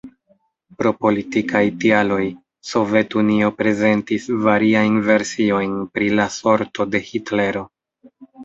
Pro politikaj tialoj, Sovetunio prezentis variajn versiojn pri la sorto de Hitlero.